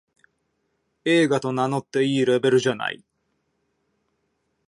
映画と名乗っていいレベルじゃない